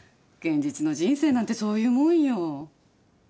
現実の人生なんてそういうもんよ。